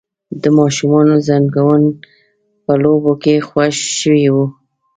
د ماشوم زنګون په لوبو کې خوږ شوی و.